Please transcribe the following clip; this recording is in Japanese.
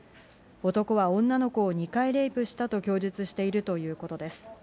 男は女の子を２回レイプしたと供述しているということです。